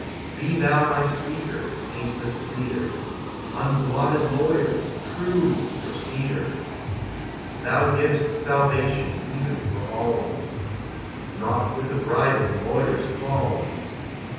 Be thou my speaker, taintless pleader, Unblotted lawyer, true proceeder! Thou giv'st salvation even for alms, Not with a bribed lawyer's palms.